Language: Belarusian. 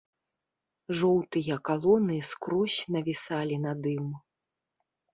Жоўтыя калоны скрозь навісалі над ім.